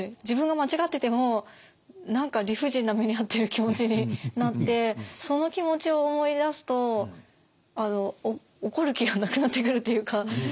自分が間違ってても何か理不尽な目に遭ってる気持ちになってその気持ちを思い出すと怒る気がなくなってくるというか。